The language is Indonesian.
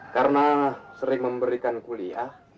karena sering memberikan kuliah